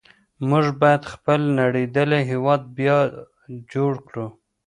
موږ بايد خپل نړېدلی هېواد بيا جوړ کړو.